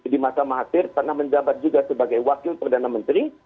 di masa mahathir karena menjabat juga sebagai wakil perdana menteri